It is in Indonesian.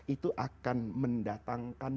itu akan mendatangkan